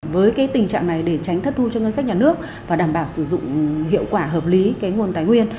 với cái tình trạng này để tránh thất thu cho ngân sách nhà nước và đảm bảo sử dụng hiệu quả hợp lý nguồn tài nguyên